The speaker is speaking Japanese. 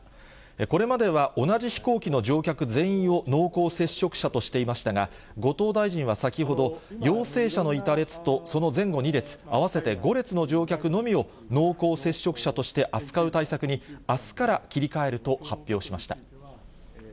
これまでは同じ飛行機の乗客全員を、濃厚接触者としていましたが、後藤大臣は先ほど、陽性者のいた列とその前後２列、合わせて５列の乗客のみを、濃厚接触者として扱う対策に、あすから切り替えると発表しました。